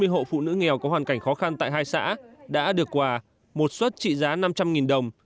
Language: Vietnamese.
sáu mươi hộ phụ nữ nghèo có hoàn cảnh khó khăn tại hai xã đã được quà một suất trị giá năm trăm linh đồng